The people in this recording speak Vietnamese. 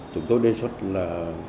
chúng tôi đề xuất là